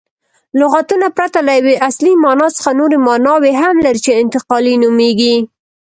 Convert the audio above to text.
لغتونه پرته له یوې اصلي مانا څخه نوري ماناوي هم لري، چي انتقالي نومیږي.